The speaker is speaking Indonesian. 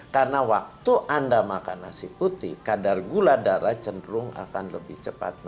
karena waktu anda makan nasi putih kadar gula darah cenderung akan lebih cepat naiknya